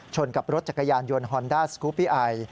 กับรถจักรยานยนต์ฮอนด้าสกูปปี้ไอ